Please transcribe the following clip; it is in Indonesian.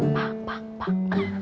pak pak pak